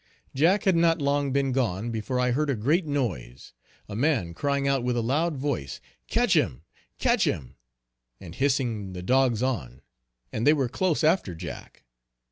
Jack had not long been gone, before I heard a great noise; a man, crying out with a loud voice, "Catch him! Catch him!" and hissing the dogs on, and they were close after Jack.